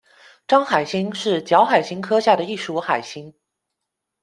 章海星是角海星科下的一属海星。